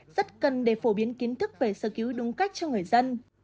rất cần để phổ biến kiến thức về sơ cứu đúng cách cho người dân